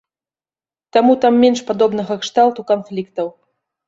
Таму там менш падобнага кшталту канфліктаў.